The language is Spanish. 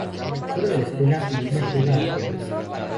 Fuera de la escuela, Irina juega a Tenis.